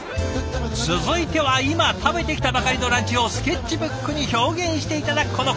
続いては今食べてきたばかりのランチをスケッチブックに表現して頂くこのコーナー。